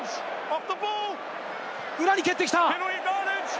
裏に蹴ってきた！